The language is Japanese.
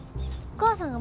お母さん？